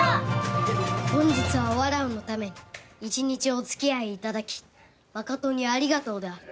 本日はわらわのため一日お付き合い頂き誠にありがとうである。